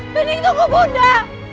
bending tunggu bunda